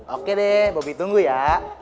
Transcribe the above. oke deh bobi tunggu ya